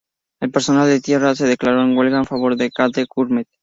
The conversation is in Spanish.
El personal de tierra se declaró en huelga en favor de Gate Gourmet.